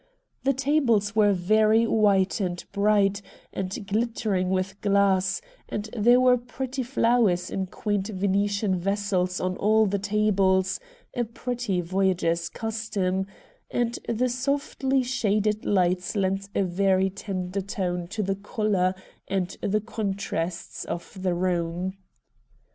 The tables were very white and bright, and ghttering with glass, and there were pretty flowers in quaint Venetian vessels on all the tables — a pretty Voyagers' custom — and the softly shaded lights lent a very tender tone to the colour and the contrasts of the room.